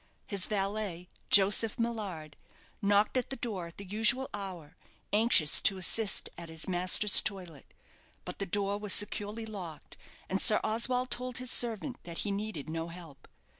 His valet, Joseph Millard, knocked at the door at the usual hour, anxious to assist at his master's toilet; but the door was securely locked, and Sir Oswald told his servant that he needed no help.